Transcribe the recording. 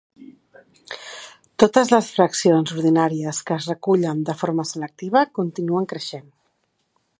Totes les fraccions ordinàries que es recullen de forma selectiva continuen creixent.